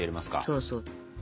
そうそう。